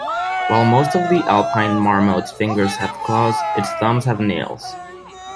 While most of the alpine marmot's fingers have claws, its thumbs have nails.